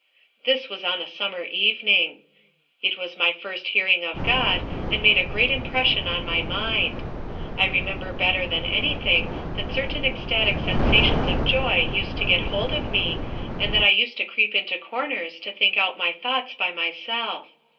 This was on a summer evening. It was my first hearing of God, and made a great impression on my mind. I remember better than anything that certain ecstatic sensations of joy used to get hold of me, and that I used to creep into corners to think out my thoughts by myself.